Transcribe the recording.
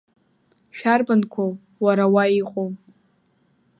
Шәарбанқәоу, уара, уа иҟоу?